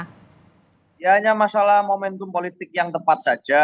hanya masalah momentum politik yang tepat saja